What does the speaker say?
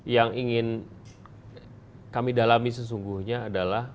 yang ingin kami dalami sesungguhnya adalah